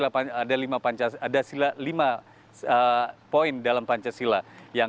ada lima poin dalam pancasila